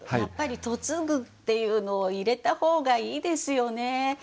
やっぱり「嫁ぐ」っていうのを入れた方がいいですよね。